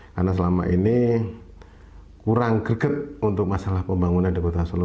karena selama ini kurang greget untuk masalah pembangunan di kota solo